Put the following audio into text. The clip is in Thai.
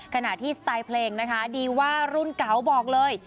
ขณะที่สไตล์เพลงนะคะดีว่ารุ่นเก่าบอกเลย